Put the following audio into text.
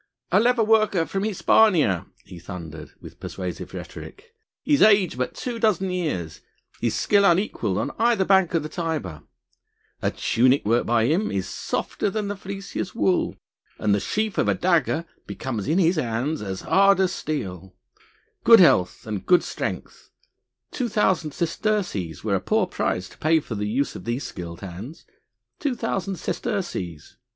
"A leather worker from Hispania," he thundered with persuasive rhetoric, "his age but two dozen years, his skill unequalled on either bank of the Tiber ... A tunic worked by him is softer than the fleeciest wool, and the sheath of a dagger becomes in his hands as hard as steel.... Good health and strength, two thousand sesterces were a poor price to pay for the use of these skilled hands.... Two thousand sesterces....